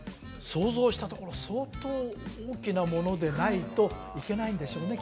想像したところ相当大きなものでないといけないんでしょうね？